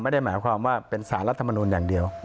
ไม่ได้หมายความว่าเป็นสารรัฐมนุนอย่างเดียว